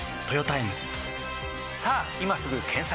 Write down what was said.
さぁ今すぐ検索！